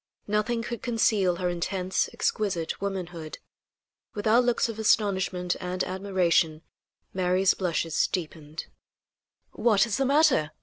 Nothing could conceal her intense, exquisite womanhood. With our looks of astonishment and admiration Mary's blushes deepened. "What is the matter?